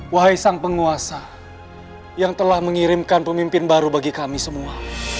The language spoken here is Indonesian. wahai sang penguasa yang telah mengirimkan pemimpin baru bagi kami semua